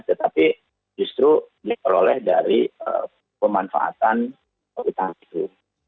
tetapi justru diperoleh dari pemanfaatan utang itu